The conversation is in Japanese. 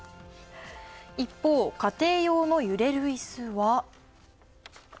一方、家庭用の揺れる椅子は。